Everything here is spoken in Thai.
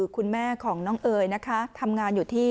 คิดว่าตัดออกนิดเดียวอะไรอย่างนี้